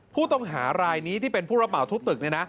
ผู้ต้องหารายนี้ที่เป็นผู้รับเหมาทุกตึก